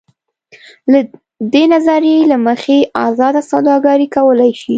دې نظریې له مخې ازاده سوداګري کولای شي.